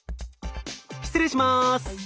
失礼します！